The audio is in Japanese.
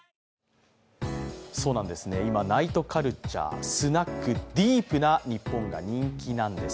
そうなんですね、今、ナイトカルチャースナック、ディープな日本が人気なんです。